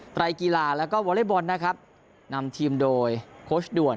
ไรกีฬาแล้วก็วอเล็กบอลนะครับนำทีมโดยโค้ชด่วน